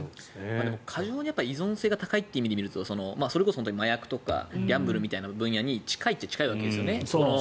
でも過剰に依存性が高いという意味で言うとそれこそ麻薬とかギャンブルみたいな分野に近いっちゃ近いわけですよね。